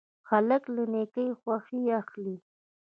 هلک له نیکۍ خوښي اخلي.